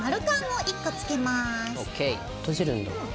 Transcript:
閉じるんだ。